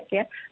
gitu banyak ya